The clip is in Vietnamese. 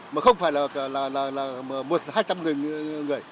mà không phải là một hai trăm linh người